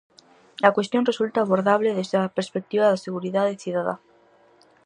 A cuestión resulta abordable desde a perspectiva da seguridade cidadá.